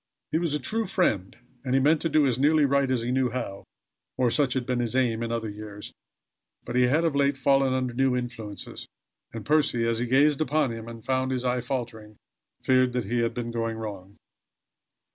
He was a true friend and he meant to do as nearly right as he knew how; or, such had been his aim in other years, but he had of late fallen under new influences, and Percy, as he gazed upon him, and found his eye faltering, feared that he had been going wrong.